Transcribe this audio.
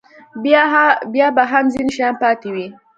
بیا به هم ځینې شیان پاتې وي.